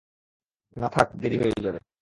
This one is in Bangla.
না থাক, দেরি হয়ে যাবে।